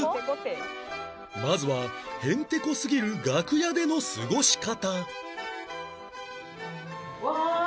まずはヘンテコすぎる楽屋での過ごし方